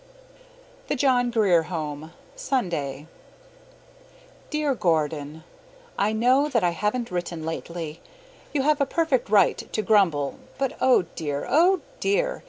THE JOHN GRIER HOME, Sunday. Dear Gordon: I know that I haven't written lately; you have a perfect right to grumble, but oh dear! oh dear!